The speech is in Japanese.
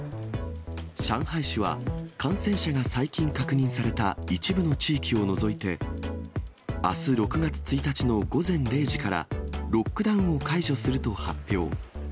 上海市は感染者が最近確認された一部の地域を除いて、あす６月１日の午前０時から、ロックダウンを解除すると発表。